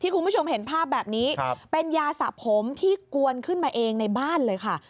คุณผู้ชมเห็นภาพแบบนี้เป็นยาสะผมที่กวนขึ้นมาเองในบ้านเลยค่ะ